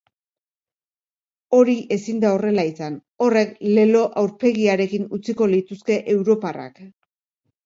Hori ezin da horrela izan, horrek lelo aurpegiarekin utziko lituzke europarrak.